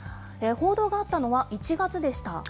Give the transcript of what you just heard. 報道があったのは１月でした。